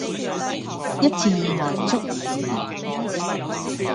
一次意外、足以致命